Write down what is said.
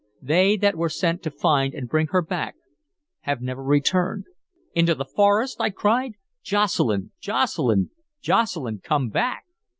They that were sent to find and bring her back have never returned" "Into the forest!" I cried. "Jocelyn, Jocelyn, Jocelyn, come back!"